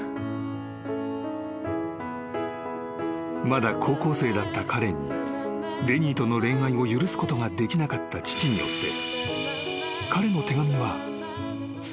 ［まだ高校生だったカレンにデニーとの恋愛を許すことができなかった父によって］